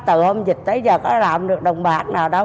từ hôm dịch tới giờ có rạm được đồng bạc nào đâu